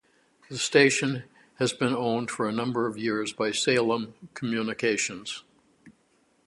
The station had been owned for a number of years by Salem Communications.